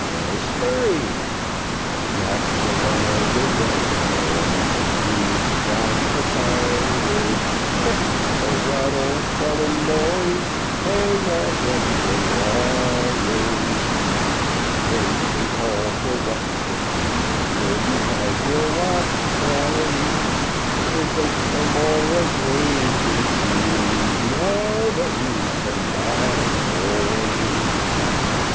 Bill Spurey Jack's alive and merry, boys, When he's got the shiners; Heh! for rattle, fun, and noise, Hang all grumbling whiners. Then drink, and call for what you please, Until you've had your whack, boys; We think no more of raging seas, Now that we've come back, boys.